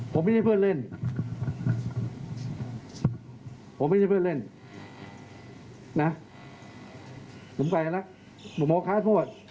ผมไม่ใช่เพื่อนเล่นผมไม่ใช่เพื่อนเล่นนะผมไปแล้วผมโทษข้าวโทษ